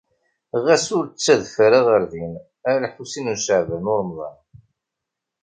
Ɣas ur ttadef ara ɣer din, a Lḥusin n Caɛban u Ṛemḍan.